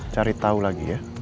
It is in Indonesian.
cari tau lagi ya